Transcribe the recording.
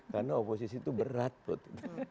karena oposisi itu berat put